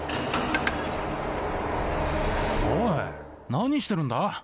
おい何してるんだ？